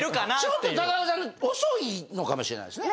ちょっと高岡さん遅いのかもしれないですね。